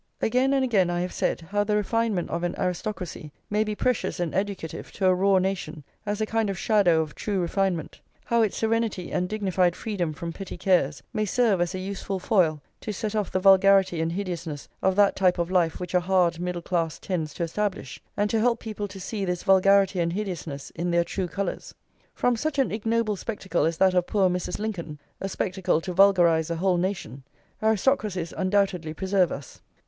Again and again I have said how the refinement of an aristocracy may be precious and educative to a raw nation as a kind of shadow of true refinement; how its serenity and dignified freedom from petty cares may serve as a useful foil to set off the vulgarity and hideousness of that type of life which a hard middle class tends to establish, and to help people to see this vulgarity and hideousness in their true colours. From such an ignoble spectacle as that of poor Mrs. Lincoln, a spectacle to vulgarise a whole nation, aristocracies undoubtedly preserve us.